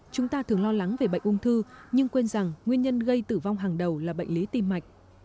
chúng ta thường lo lắng về bệnh ung thư nhưng quên rằng nguyên nhân gây tử vong hàng đầu là bệnh lý tim mạch